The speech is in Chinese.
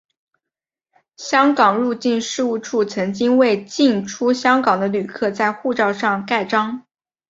香港入境事务处曾经为进出香港的旅客在护照上盖章。